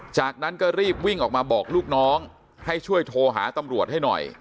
จากนั้นก็รีบวิ่งออกมาบอกลูกน้องให้ช่วยโทรหาตำรวจให้หน่อย